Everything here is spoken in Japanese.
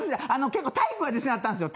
結構、タイクは自信あったんですよ